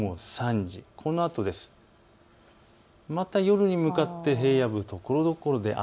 このあと、また夜に向かって平野部ところどころで雨。